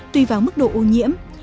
tùy vào mức độ ô nhiễm